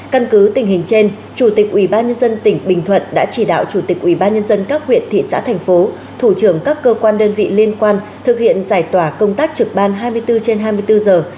căn cứ tình hình trên chủ tịch ubnd tỉnh bình thuận đã chỉ đạo chủ tịch ubnd các huyện thị xã thành phố thủ trưởng các cơ quan đơn vị liên quan thực hiện giải tỏa công tác trực ban hai mươi bốn trên hai mươi bốn giờ